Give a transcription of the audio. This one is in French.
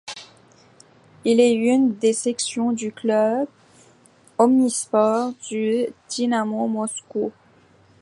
Il est une des sections du club omnisports du Dynamo Moscou.